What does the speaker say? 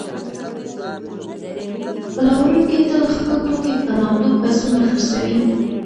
پلورونکی تل خپل توکي په نغدو پیسو نه خرڅوي